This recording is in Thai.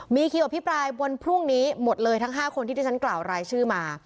มีคิวอภิปรายวันพรุ่งนี้หมดเลยทั้ง๕คนที่ที่ฉันกล่าวรายชื่อมา